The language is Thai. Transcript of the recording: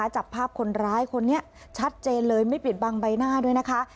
จับภาพคนร้ายคนนี้ชัดเจนเลยไม่ปิดบังใบหน้าด้วยนะคะ